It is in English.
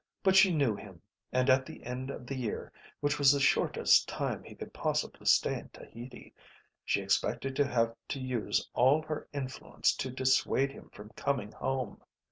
But she knew him, and at the end of the year, which was the shortest time he could possibly stay in Tahiti, she expected to have to use all her influence to dissuade him from coming home.